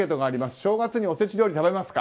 正月におせち料理を食べますか。